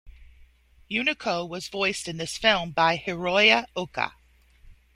Unico was voiced in this film by Hiroya Oka.